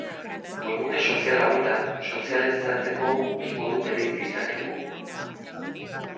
Webgune sozial hauetan sozializatzeko bi modu bereiz ditzakegu.